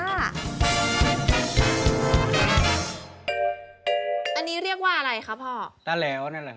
อันนี้เรียกว่าอะไรคะพ่อปลาแหลว